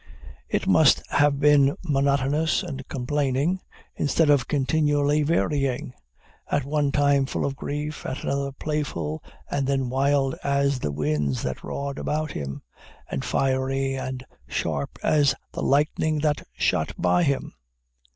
It must have been monotonous and complaining, instead of continually varying; at one time full of grief, at another playful, and then wild as the winds that roared about him, and fiery and sharp as the lightning that shot by him.